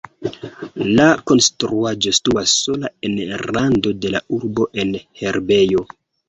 La konstruaĵo situas sola en rando de la urbo en herbejo.